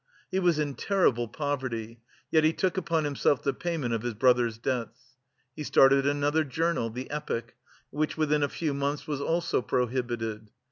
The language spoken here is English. He was in terrible poverty, yet he took upon himself the payment of his brother's debts. He started another journal "The Epoch," which within a few months was also prohibited.